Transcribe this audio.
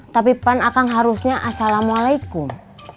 tapi pan akang harusnya assalamualaikum